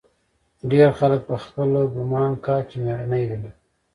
ډېر خلق پخپله ګومان کا چې مېړني دي.